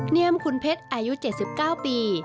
เนียมคุณเพชรอายุ๗๙ปี